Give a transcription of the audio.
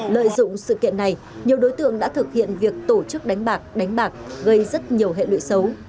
lợi dụng sự kiện này nhiều đối tượng đã thực hiện việc tổ chức đánh bạc đánh bạc gây rất nhiều hệ lụy xấu